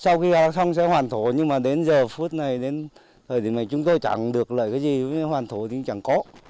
sau khi xong sẽ hoàn thổ nhưng mà đến giờ phút này đến thời điểm này chúng tôi chẳng được là cái gì mới hoàn thổ thì chẳng có